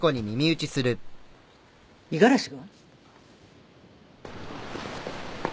五十嵐が？